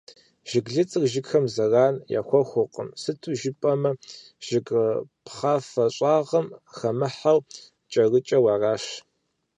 Жыглыцыр жыгхэм зэран яхуэхъуркъым, сыту жыпӏэмэ, жыг пхъафэ щӏагъым хэмыхьэу, кӏэрыкӏэу аращ.